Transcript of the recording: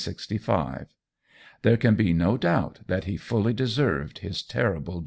There can be no doubt that he fully deserved his terrible doom.